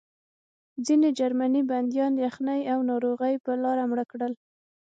ځینې جرمني بندیان یخنۍ او ناروغۍ په لاره مړه کړل